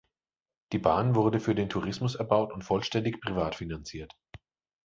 Die Bahn wurde für den Tourismus erbaut und vollständig privat finanziert.